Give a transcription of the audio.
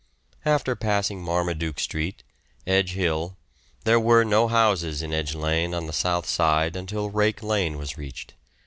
After passing Marmaduke Street, Edge Hill, there were no houses in Edge Lane on the south side until Rake Lane was reached.